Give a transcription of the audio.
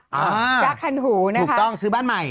จากคันหูนะคะถูกต้องซื้อบ้านใหม่